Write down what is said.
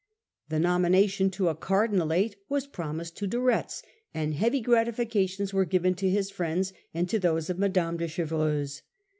The nomination to a cardinalate was promised to De Retz, and heavy gratifications were given Arrest of to his friends and to those of Mme. de Cond£, Chevreuse.